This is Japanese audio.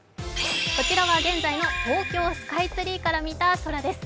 こちらは現在の東京スカイツリーから見た空です。